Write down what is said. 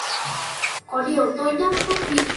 Có điều tôi nhắc các vị